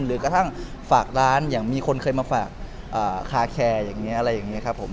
หรือกระทั่งฝากร้านอย่างมีคนเคยมาฝากคาแคร์อย่างนี้อะไรอย่างนี้ครับผม